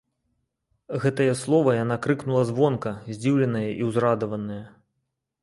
Гэтае слова яна крыкнула звонка, здзіўленая і ўзрадаваная.